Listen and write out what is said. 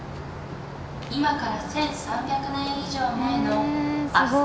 今から１３００年以上前の飛鳥時代に」。